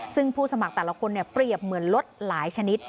ซึ่งผู้สมัครแต่ละคนเปรียบเหมือนรถหลายชนิด